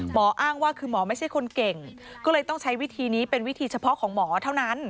อ้างว่าคือหมอไม่ใช่คนเก่งก็เลยต้องใช้วิธีนี้เป็นวิธีเฉพาะของหมอเท่านั้น